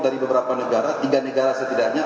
dari beberapa negara tiga negara setidaknya